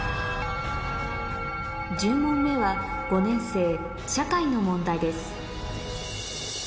１０問目は５年生社会の問題です